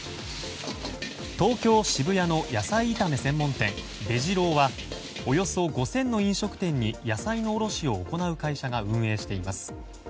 東京・渋谷の野菜炒め専門店ベジ郎はおよそ５０００の飲食店に野菜の卸しを行う会社が運営しています。